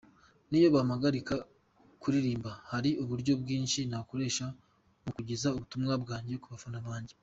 Niyo bampagarika kuririmba, hari uburyo bwinshi nakoresha mu kugeza ubutumwa bwanjye ku bafana banjye.